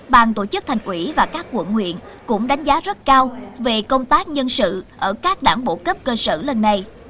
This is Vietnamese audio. bàn tổ chức thành ủy và các quận huyện cũng đánh giá rất cao về công tác nhân sự ở các đảng bộ cấp cơ sở lần này